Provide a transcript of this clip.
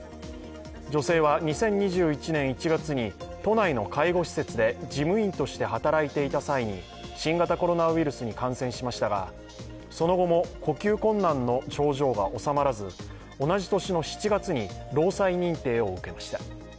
女性は２０２１年１月に都内の介護施設で事務員として働いていた際に新型コロナウイルスに感染しましたがその後も呼吸困難の症状が治まらず同じ年の７月に労災認定を受けました。